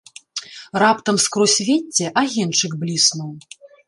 Раптам скрозь вецце агеньчык бліснуў.